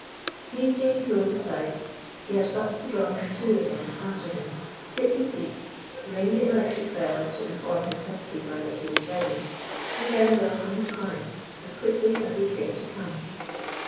These being pulled aside, he had but to draw them to again after him, take his seat, ring the electric bell to inform his housekeeper that he was ready, and then welcome his clients as quickly as they cared to come.